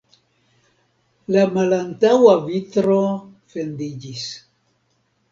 La malantaŭa vitro fendiĝis.